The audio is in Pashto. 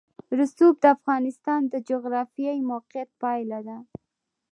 رسوب د افغانستان د جغرافیایي موقیعت پایله ده.